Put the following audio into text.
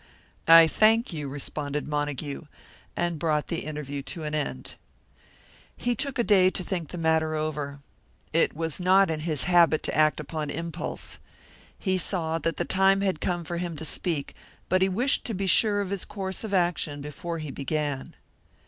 "I thank you," responded Montague, and brought the interview to an end. He took a day to think the matter over. It was not his habit to act upon impulse. He saw that the time had come for him to speak, but he wished to be sure of his course of action before he began.